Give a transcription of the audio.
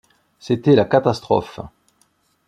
C’était la catastrophe.